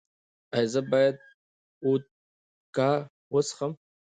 ایا زه باید وودکا وڅښم؟